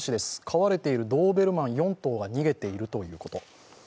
飼われているドーベルマン４頭が逃げているということ。